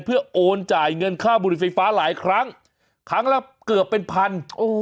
เพื่อโอนจ่ายเงินค่าบุหรี่ไฟฟ้าหลายครั้งครั้งละเกือบเป็นพันโอ้โห